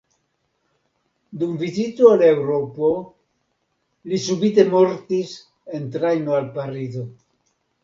Dum vizito al Eŭropo li subite mortis en trajno al Parizo.